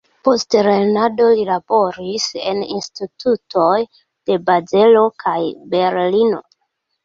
Post lernado li laboris en institutoj de Bazelo kaj Berlino.